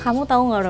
kamu tahu nggak rob